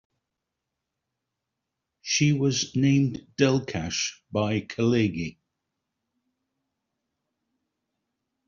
She was named "Delkash" by Khaleghi.